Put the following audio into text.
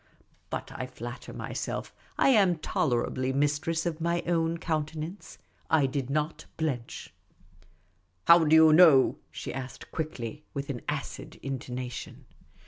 But I Matter myself I am tolerably mistress of my own countenance. I did not blench. " How do you know?" she asked quickly, with an acid intonation.